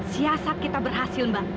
siasat kita berhasil mbak